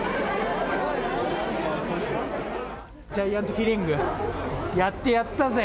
ジャイアントキリングやってやったぜ。